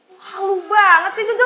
lu halu banget sih jujur sana